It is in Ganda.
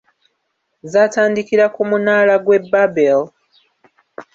Zaatandikira ku munaala gwe Babel.